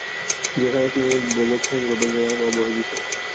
যেখানে তিনি বলেছেন, রবীন্দ্রনাথ অবহেলিত।